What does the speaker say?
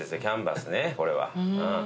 キャンバスねっこれは。